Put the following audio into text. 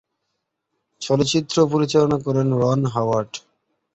চলচ্চিত্রটি পরিচালনা করেন রন হাওয়ার্ড।